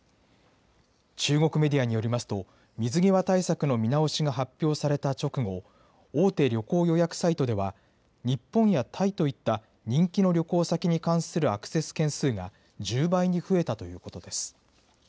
中国メディアによりますと、水際対策の見直しが発表された直後、大手旅行予約サイトでは、日本やタイといった人気の旅行先に関するアクセス件数が、１０倍に増えたということです。